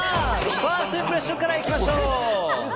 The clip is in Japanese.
ファーストインプレッションからいきましょう！